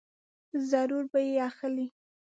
ضرور به یې اخلې !